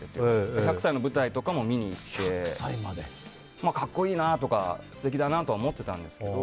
１００歳の舞台とかも見に行って格好いいなとか、素敵だなとは思ってましたけど。